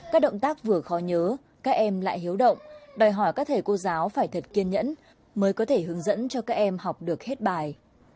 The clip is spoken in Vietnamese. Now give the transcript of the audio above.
các động tác vừa khó nhớ các em lại hiếu động đòi hỏi các thầy cô giáo phải thật kiên nhẫn mới có thể hướng dẫn cho các em học được hết bài